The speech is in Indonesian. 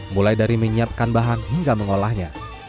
mulai dari menyiapkan bahan hingga mengolahnya